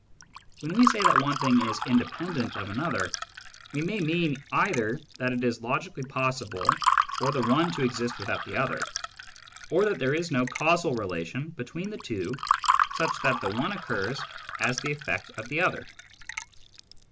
When we say that one thing is "independent" of another, we may mean either that it is logically possible for the one to exist without the other, or that there is no causal relation between the two such that the one only occurs as the eflFect of the other.